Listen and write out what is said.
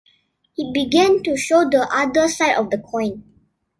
It began to show the other side of the coin.